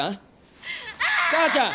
母ちゃん？